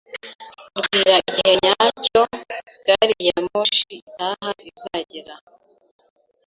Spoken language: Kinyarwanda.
Mbwira igihe nyacyo gari ya moshi itaha izagera